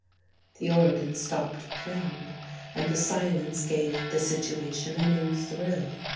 The organ stopped playing and the silence gave the situation a new thrill.